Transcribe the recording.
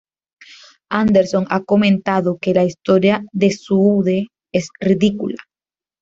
Anderson ha comentado que la historia de Suede es "...ridícula.